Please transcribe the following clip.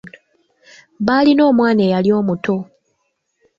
Baalina omwana eyali omuto.